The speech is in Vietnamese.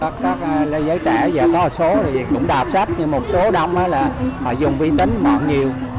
các giới trẻ giờ có số cũng đạp sách nhưng một số đông là họ dùng vi tính mọn nhiều